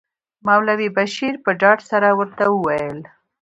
مولوي بشیر په ډاډ سره ورته وویل.